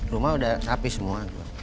rumah udah habis semua tuh